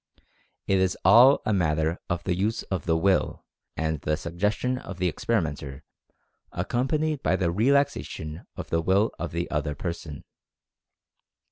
It is all a matter of the use of the WILL and the SUGGESTION of the ex perimenter accompanied by the relaxation of the Will of the other person.